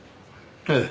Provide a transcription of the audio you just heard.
ええ。